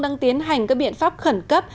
đang tiến hành các biện pháp khẩn cấp